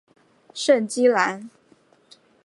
圣基兰。